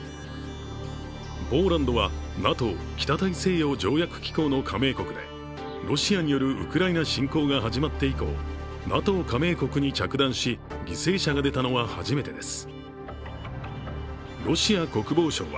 ポーランドはＮＡＴＯ＝北大西洋条約機構の加盟国でロシアによるウクライナ侵攻が始まって以降ＮＡＴＯ加盟国に着弾し、犠牲者が出たのは初めてです。